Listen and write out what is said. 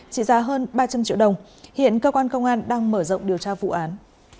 trị giá hơn ba trăm linh triệu đồng hiện cơ quan công an đang mở rộng điều tra vụ án